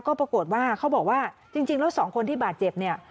ก็ปรากฏว่าเขาบอกว่าจริงแล้วสองคนที่บาดเจ็บเนี่ย